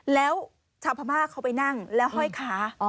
แล้วชาวพม่าเขาไปนั่งแล้วห้อยขา